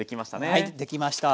はいできました。